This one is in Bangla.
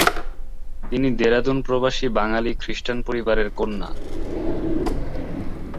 তিনি দেরাদুন প্রবাসী বাঙালী খৃষ্টান পরিবারের কন্যা।